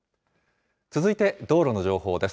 続いて道路の情報です。